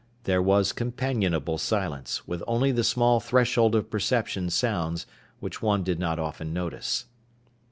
There was companionable silence, with only the small threshold of perception sounds which one did not often notice.